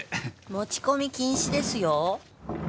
持ち込み禁止ですよ。